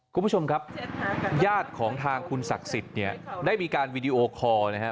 คุณผู้ชมครับญาติของทางคุณศักดิ์สิทธิ์เนี่ยได้มีการวีดีโอคอร์นะครับ